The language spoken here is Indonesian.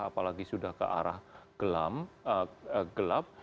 apalagi sudah ke arah gelap